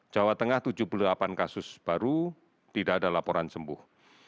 jawa tengah tujuh puluh delapan kasus baru tidak ada laporan sembuh